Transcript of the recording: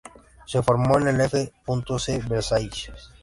Se formó en el F. C. Versailles.